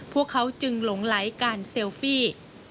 พวกเขาจึงหลงไหลการเซลฟี่